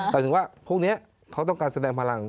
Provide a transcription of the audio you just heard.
หมายถึงว่าพวกนี้เขาต้องการแสดงพลัง